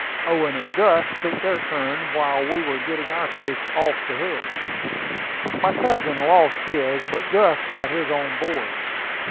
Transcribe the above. Owen and Gus took their turn while we were getting our fish off the hook. My cousin lost his, but Gus got his on board.